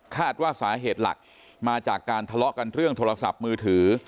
ว่าสาเหตุหลักมาจากการทะเลาะกันเรื่องโทรศัพท์มือถือ